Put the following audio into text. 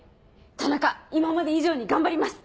田中今まで以上に頑張ります。